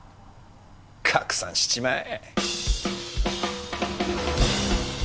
拡散しちまえ。